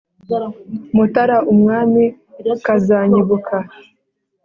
mutara umwami akazanyibuka